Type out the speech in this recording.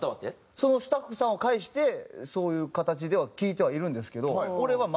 そのスタッフさんを介してそういう形では聞いてはいるんですけど俺はまだ疑ってる。